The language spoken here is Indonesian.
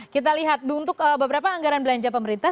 kita lihat untuk beberapa anggaran belanja pemerintah